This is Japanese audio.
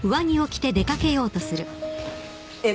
えっ？